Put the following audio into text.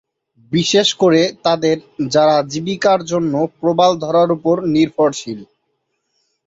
বিশেষ করে তাদের যারা জীবিকার জন্য প্রবাল ধরার উপর নির্ভরশীল।